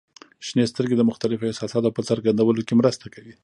• شنې سترګې د مختلفو احساساتو په څرګندولو کې مرسته کوي.